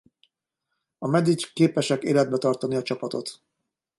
A Medic képesek életben tartani a csapatot.